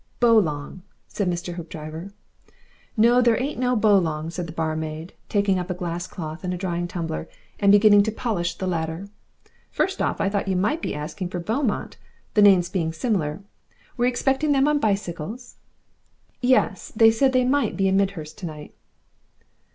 "Bowlong," said Mr. Hoopdriver. "No, there ain't no Bowlong," said the barmaid, taking up a glasscloth and a drying tumbler and beginning to polish the latter. "First off, I thought you might be asking for Beaumont the names being similar. Were you expecting them on bicycles?" "Yes they said they MIGHT be in Midhurst tonight."